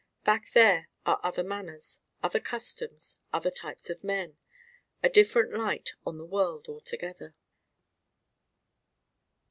Back there are other manners, other customs, other types of men: a different light on the world altogether.